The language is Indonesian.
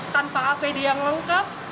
tanpa apd yang lengkap